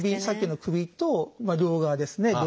さっきの首とまあ両側ですね